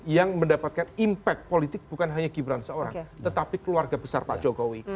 yang mendapatkan impact politik bukan hanya gibran seorang tetapi keluarga besar pak jokowi